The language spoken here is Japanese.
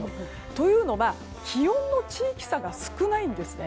というのは気温の地域差が少ないんですね。